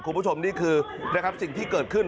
คุณผู้ชมนี่คือนะครับสิ่งที่เกิดขึ้น